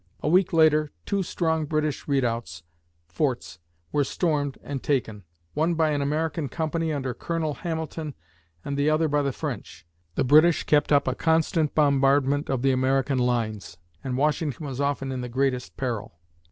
A week later, two strong British redoubts (forts) were stormed and taken, one by an American company under Colonel Hamilton and the other by the French. The British kept up a constant bombardment of the American lines, and Washington was often in the greatest peril.